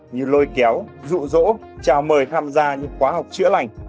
như lôi kéo rụ rỗ chào mời tham gia những khóa học chữa lành